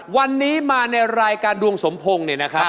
วันนี้มาในรายการดวงสมพงศ์เนี่ยนะครับ